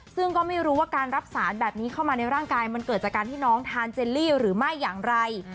ซึ่งก็ไม่รู้ว่าการรับสารแบบนี้เข้ามาในร่างกายมันเกิดจากการที่น้องทานเจลลี่หรือไม่อย่างไร